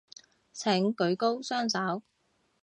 請舉高雙手